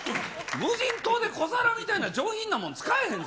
無人島で小皿みたいな上品なもの使えへんぞ。